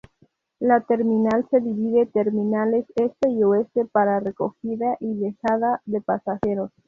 La terminal se divide terminales este y oeste para recogida y dejada de pasajeros.